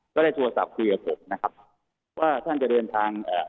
ก็ได้โทรศัพท์คุยกับผมนะครับว่าท่านจะเดินทางเอ่อ